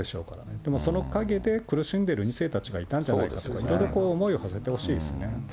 でも、その陰で苦しんでいる苦しんでいる２世たちがいたんじゃないかとか、いろいろ思いをはせてほしいんですね。